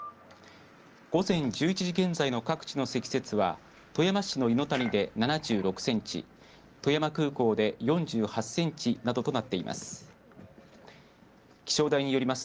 午前１１時現在の各地の積雪は富山市の猪谷で７６センチ富山空港で４８センチなどとなっています。